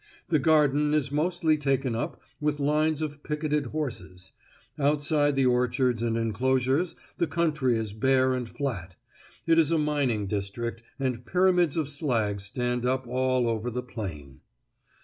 The garden is mostly taken up with lines of picketed horses; outside the orchards and enclosures the country is bare and flat; it is a mining district, and pyramids of slag stand up all over the plain."